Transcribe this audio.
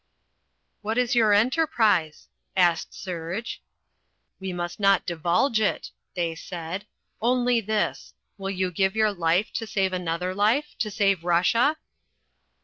"What is your enterprise?" asked Serge. "We must not divulge it," they said. "Only this: will you give your life to save another life, to save Russia?"